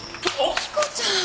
彦ちゃん！